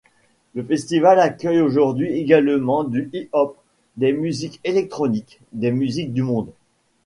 Le festival accueille aujourd'hui également du hip-hop, des musiques électroniques, des musiques du monde.